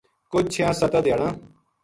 کجھ چھیاں ستاں دھیاڑاں